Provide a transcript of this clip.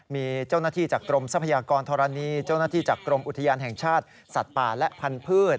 มีเจ้าหน้าที่จากกรมทรัพยากรธรณีเจ้าหน้าที่จากกรมอุทยานแห่งชาติสัตว์ป่าและพันธุ์